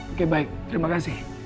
oke baik terima kasih